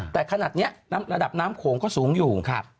แต่ขนาดนี้ระดับน้ำโขงก็สูงอยู่